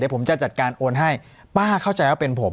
ผมจะจัดการโอนให้ป้าเข้าใจว่าเป็นผม